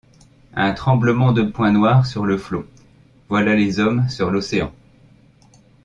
Un tremblement de points noirs sur le flot, voilà les hommes sur l’océan.